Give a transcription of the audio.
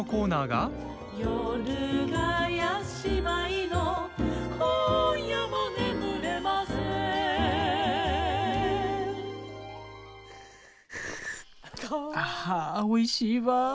はあおいしいわ。